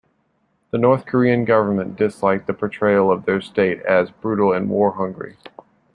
The North Korean government disliked the portrayal of their state as brutal and war-hungry.